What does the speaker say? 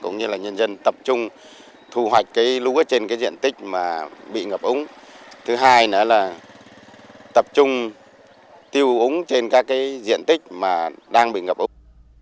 nhân dân tập trung thu hoạch lũ trên diện tích bị ngập úng thứ hai là tập trung tiêu úng trên các diện tích đang bị ngập úng